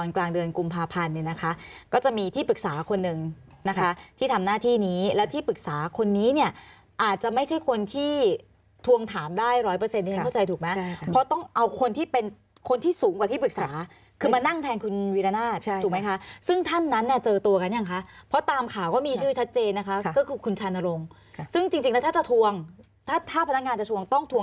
คนนี้เนี้ยอาจจะไม่ใช่คนที่ทวงถามได้ร้อยเปอร์เซ็นต์เนี้ยเข้าใจถูกไหมค่ะเพราะต้องเอาคนที่เป็นคนที่สูงกว่าที่ปรึกษาคือมานั่งแทนคุณวิรณาใช่ถูกไหมคะซึ่งท่านนั้นเนี้ยเจอตัวกันยังคะเพราะตามข่าวก็มีชื่อชัดเจนนะคะค่ะก็คือคุณชานรงค์ซึ่งจริงจริงแล้วถ้าจะทวงถ้าถ้าพนักงานจะทวงต้